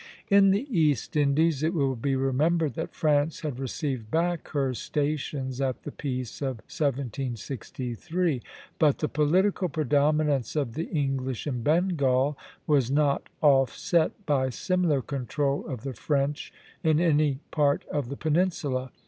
In the East Indies it will be remembered that France had received back her stations at the peace of 1763; but the political predominance of the English in Bengal was not offset by similar control of the French in any part of the peninsula.